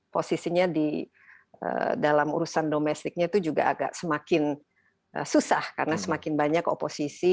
posisinya di dalam urusan domestiknya itu juga agak semakin susah karena semakin banyak oposisi